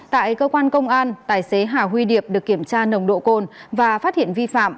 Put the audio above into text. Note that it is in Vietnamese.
tại cơ quan công an tài xế hà huy điệp được kiểm tra nồng độ cồn và phát hiện vi phạm